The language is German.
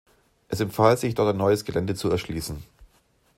Es empfahl sich, dort ein neues Gelände zu erschließen.